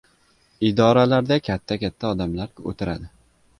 — Idoralarda katta-katta odamlar o‘tiradi.